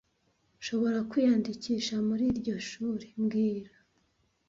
Nshobora kwiyandikisha muri iryo shuri mbwira